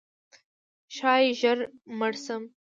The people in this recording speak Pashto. ښایي ژر مړ شم؛